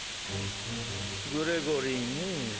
グレゴリーねぇ。